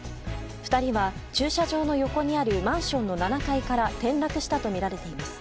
２人は、駐車場の横にあるマンションの７階から転落したとみられています。